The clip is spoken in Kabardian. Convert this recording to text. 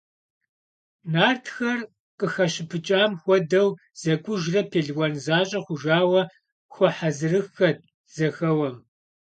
Нартхэр, къыхащыпыкӀам хуэдэу зэкӀужрэ пелуан защӀэ хъужауэ, хуэхьэзырыххэт зэхэуэм.